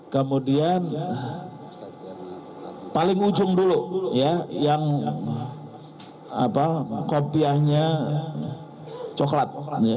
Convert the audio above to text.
kemudian paling ujung dulu yang kopiahnya coklat